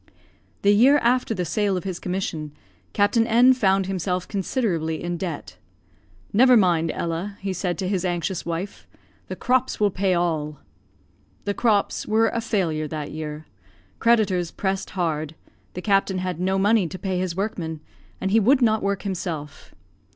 The year after the sale of his commission, Captain N found himself considerably in debt, "Never mind, Ella," he said to his anxious wife; "the crops will pay all." The crops were a failure that year. Creditors pressed hard; the captain had no money to pay his workmen, and he would not work himself.